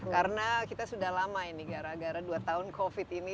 karena kita sudah lama ini gara gara dua tahun covid ini